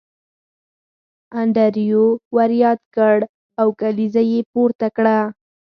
انډریو ور یاد کړ او کلیزه یې پورته کړه